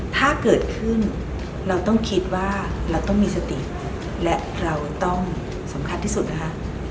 ถ้าเกิดขึ้นเราต้องคิดว่าเราต้องมีสติและเราต้องสำคัญที่สุดนะคะ